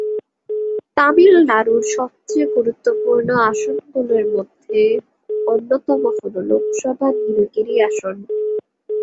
তামিলনাড়ুর সবচেয়ে গুরুত্বপূর্ণ আসনগুলির মধ্যে অন্যতম হল লোকসভা নীলগিরি আসনটি।